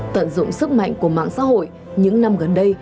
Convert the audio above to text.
tận dụng sức mạnh của mạng xã hội những năm gần đây